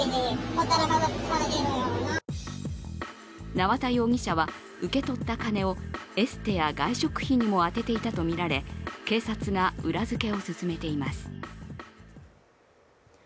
縄田容疑者は、受け取った金をエステや外食費にも充てていたとみられ警察が裏付けを進めています。